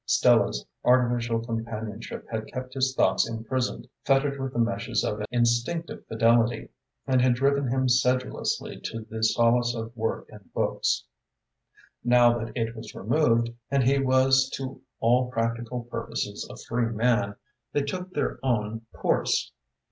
Stella's artificial companionship had kept his thoughts imprisoned, fettered with the meshes of an instinctive fidelity, and had driven him sedulously to the solace of work and books. Now that it was removed and he was to all practical purposes a free man, they took their own course.